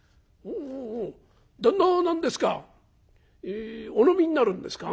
「おおお旦那は何ですかお飲みになるんですか？」。